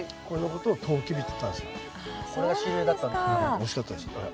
おいしかったですこれ。